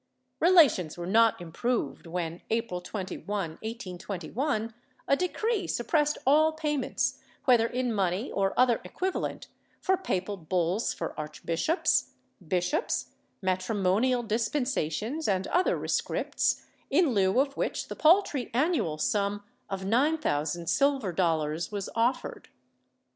^ Relations were not improved when, April 21, 1821, a decree suppressed all payments, whether in money or other equivalent, for papal bulls for archbishops, bishops, matri monial dispensations and other rescripts, in lieu of which the paltry annual sum of 9000 silver dollars was offered.